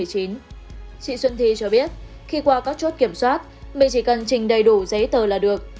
chị xuân thi cho biết khi qua các chốt kiểm soát mình chỉ cần trình đầy đủ giấy tờ là được